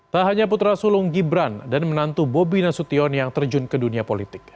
tak hanya putra sulung gibran dan menantu bobi nasution yang terjun ke dunia politik